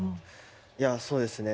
いやそうですね。